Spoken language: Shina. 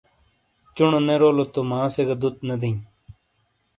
چونو نے رولو تو ماں سے گہ دُوت نے دئیی ۔